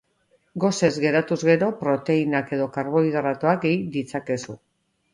Gosez geratuz gero, proteinak edo karbohidratoak gehi ditzakezu.